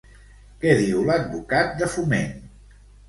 Què diu l'advocat de Foment?